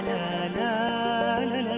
terima kasih sekolah